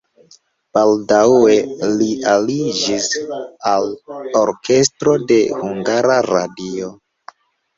Baldaŭe li aliĝis al orkestro de Hungara Radio.